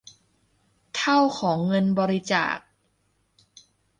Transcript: เท่าของเงินบริจาค